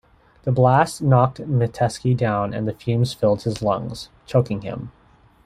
The blast knocked Metesky down and the fumes filled his lungs, choking him.